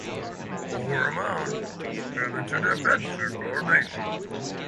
Ormonde fell into defensive formation.